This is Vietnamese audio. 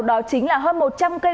đó chính là hơn một trăm linh cây